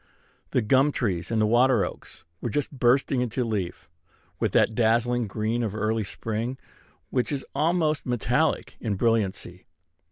The gum trees and water oaks were just bursting into leaf with that dazzling green of early spring which is almost metallic in brilliancy.